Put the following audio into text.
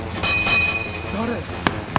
誰？